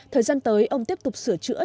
thời gian tới ông tiếp tục sửa chữa